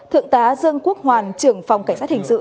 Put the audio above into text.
thượng tá dương quốc hoàn trưởng phòng cảnh sát hình sự